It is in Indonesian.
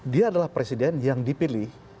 dia adalah presiden yang dipilih